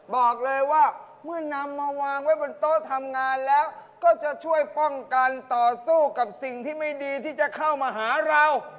บอกเลยว่าเมื่อนำมาวางไว้บนโต๊ะทำงานแล้วก็จะช่วยป้องกันต่อสู้กับสิ่งที่ไม่ดีที่จะเข้ามาหาเรา